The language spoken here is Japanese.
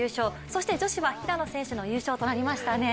そして女子は平野選手の優勝となりましたね。